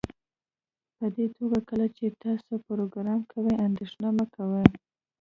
پدې توګه کله چې تاسو پروګرام کوئ اندیښنه مه کوئ